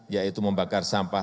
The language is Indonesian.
yaitu membakar sampah